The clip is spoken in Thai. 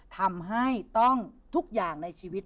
ทำให้ต้องทุกอย่างในชีวิต